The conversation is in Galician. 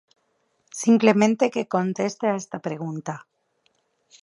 Simplemente que conteste a esta pregunta.